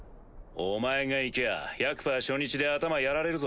お前が行きゃあ１００％初日で頭やられるぞ。